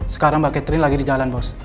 sekarang mbak catherine lagi di jalan bos